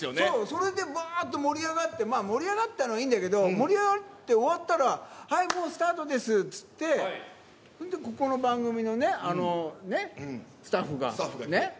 それでばーっと盛り上がって、まあ、盛り上がったのはいいんだけど、盛り上がって終わったら、はい、もうスタートですっつって、ほんでここの番組のね、スタッフが、ねっ？